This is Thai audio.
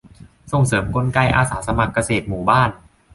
ส่งเสริมกลไกอาสาสมัครเกษตรหมู่บ้าน